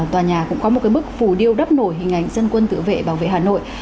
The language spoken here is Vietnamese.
tòa nhà cũng có một cái bức phủ điêu đắp nổi hình ảnh dân quân tự vệ bảo vệ hà nội